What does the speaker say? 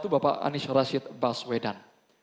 bapak aniesh rashid baswedan